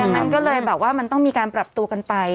ดังนั้นเลยก็เลยมันต้องมีการปรับตัวกันไป